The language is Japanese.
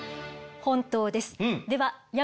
本当です。